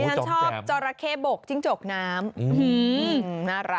ชอบจรเคบกจิ้งจกน้ำ